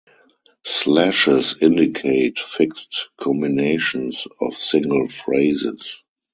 Slashes indicate fixed combinations of single phrases.